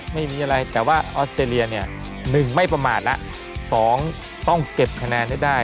ไม่มีอะไรแต่ว่าออสเตรเลียเนี่ย๑ไม่ประมาทละ๒ต้องเก็บคะแนนให้ได้